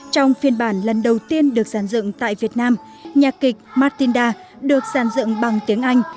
trong phiên bản lần đầu tiên được giàn dựng tại việt nam nhạc kịch martinda được giàn dựng bằng tiếng anh